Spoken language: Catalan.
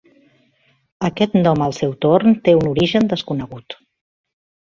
Aquest nom al seu torn té un origen desconegut.